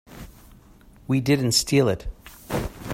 We didn't steal it.